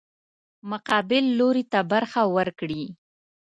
مقابل لوري ته برخه ورکړي.